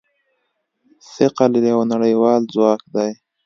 ثقل یو نړیوال ځواک دی.